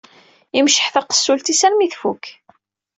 Imceḥ taqessult-is armi tfukk